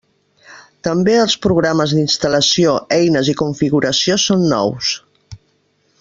També els programes d'instal·lació, eines i configuració són nous.